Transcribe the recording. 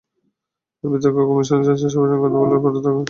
বিতর্ক কমিশনও জানিয়েছে, সবার সঙ্গে কথা বলার পরেই তারিখ নির্ধারিত হয়েছে।